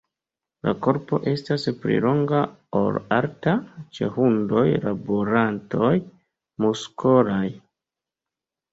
La korpo estas pli longa ol alta, ĉe hundoj laborantoj muskolaj.